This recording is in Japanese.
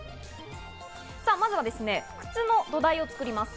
まずは靴の土台を作ります。